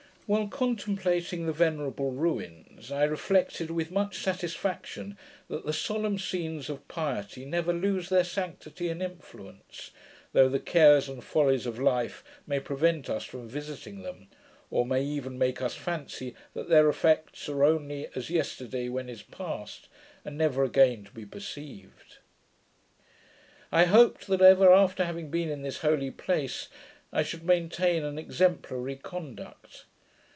While contemplating the venerable ruins, I reflected with much satisfaction, that the solemn scenes of piety never lose their sanctity and influence, though the cares and follies of life may prevent us from visiting them, or may even make us fancy that their effects are only 'as yesterday, when it is past', and never again to be perceived. I hoped, that, ever after having been in this holy place, I should maintain an exemplary conduct.